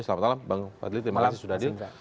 selamat malam bang fadli terima kasih sudah di sini